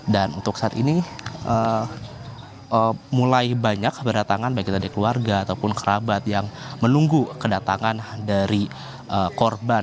dan untuk saat ini mulai banyak berdatangan baiknya dari keluarga ataupun kerabat yang menunggu kedatangan dari korban